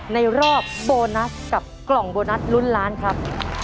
ในรอบโบนัสกับกล่องโบนัสลุ้นล้านครับ